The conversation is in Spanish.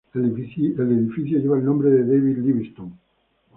El edificio lleva el nombre de David Livingstone.